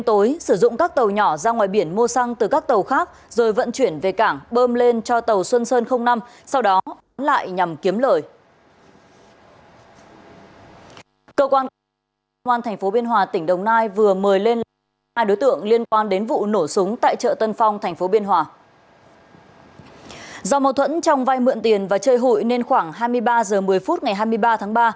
trong mâu thuẫn trong vai mượn tiền và chơi hụi nên khoảng hai mươi ba h một mươi phút ngày hai mươi ba tháng ba